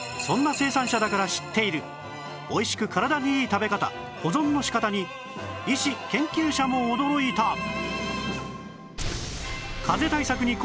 そんな生産者だから知っているおいしく体にいい食べ方保存の仕方に医師・研究者も驚いた！